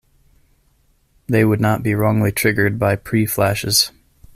They would not be wrongly triggered by pre-flashes.